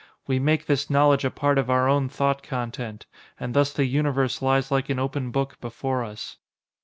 We make this knowledge a part of our own thought content, and thus the Universe lies like an open book before us.